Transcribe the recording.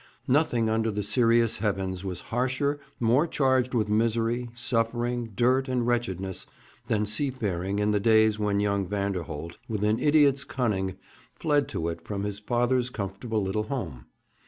Nothing under the serious heavens was harsher, more charged with misery, suffering, dirt, and wretchedness, than seafaring in the days when young Vanderholt, with an idiot's cunning, fled to it from his father's comfortable little home.